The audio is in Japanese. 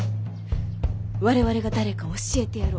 我々が誰か教えてやろう。